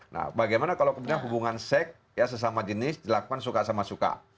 nah bagaimana kalau kemudian hubungan seks ya sesama jenis dilakukan suka sama suka